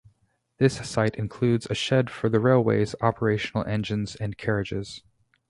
This site includes a shed for the railway's operational engines and carriages.